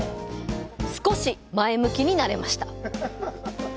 少し前向きになれました。